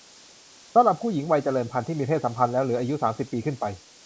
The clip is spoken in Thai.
สำหรับผู้หญิงวัยเจริญพันธุ์ที่มีเพศสัมพันธ์แล้ว หรืออายุ สามสิบ ปีขึ้นไป